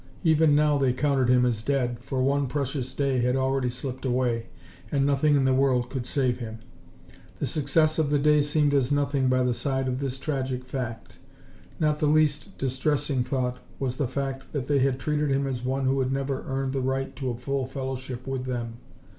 Even now they counted him as dead, for one precious day had already slipped away and nothing in the world could save him. The success of the day seemed as nothing by the side of this tragic fact. Not the least distressing thought was the fact that they had treated him as one who had never earned the right to a full fellowship with them.